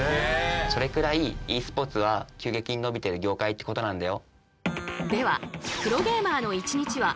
それくらいｅスポーツは急激に伸びてる業界ってことなんだよ。